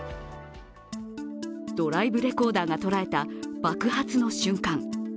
ドライブレコーダーが捉えた爆発の瞬間。